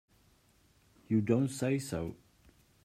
You don't say so!